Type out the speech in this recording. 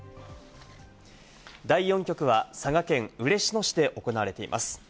第４局は佐賀県嬉野市で行われています。